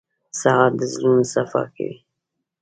سهار د زړونو صفا کوي.